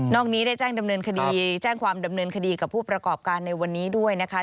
นอกนี้ได้แจ้งความดำเนินคดีกับผู้ประกอบการณ์ในวันนี้ด้วยนะคะ